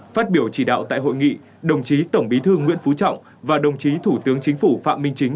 phát biểu chỉ đạo tại hội nghị đồng chí tổng bí thư nguyễn phú trọng và đồng chí thủ tướng chính phủ phạm minh chính